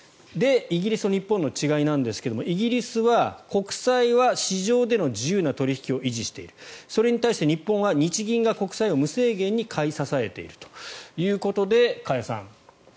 イギリスと日本の違いですがイギリスは国債は市場での自由な取引を維持しているそれに対して日本は日銀が国債を無制限に買い支えているということで加谷さん。